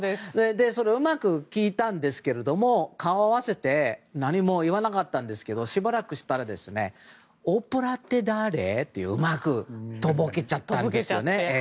それをうまく聞いたんですが顔を合わせて何も言わなかったんですけどしばらくしたらオプラって誰？とうまくとぼけっちゃったんですよ。